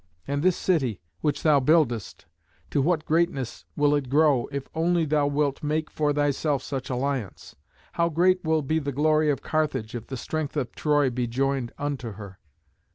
And this city, which thou buildest, to what greatness will it grow if only thou wilt make for thyself such alliance! How great will be the glory of Carthage if the strength of Troy be joined unto her!